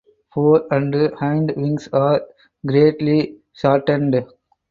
Fore and hind wings are greatly shortened.